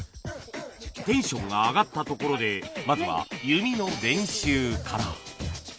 テンションが上がったところでまずは弓の練習から